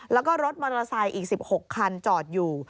แล้วก็รถมอเตอร์ไซค์อีก๑๖คันจอดอยู่